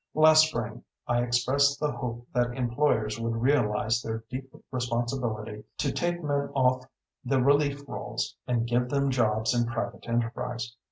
Last spring I expressed the hope that employers would realize their deep responsibility to take men off the relief rolls and give them jobs in private enterprise.